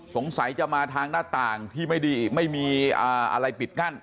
สงสัยจะมาทางหน้าต่างที่ไม่ดีไม่มีอะไรปิดกั้น